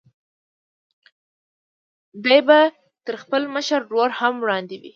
دی به تر خپل مشر ورور هم وړاندې وي.